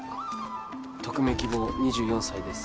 匿名希望２４歳です